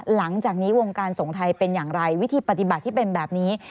หลังจากนี้วงการส่งไทยเป็นอย่างไรวิธีปฏิบัติที่เป็นแบบนี้